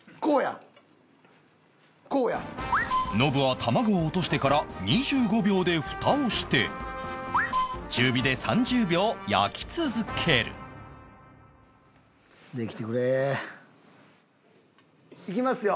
ノブは卵を落としてから２５秒で蓋をして中火で３０秒焼き続けるできてくれ。いきますよ。